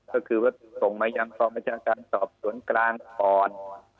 ก็คือว่าส่งมายังกองบัญชาการสอบสวนกลางก่อน